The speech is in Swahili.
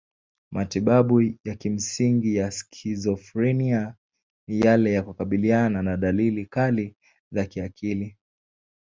Matibabu ya kimsingi ya skizofrenia ni yale ya kukabiliana na dalili kali za kiakili.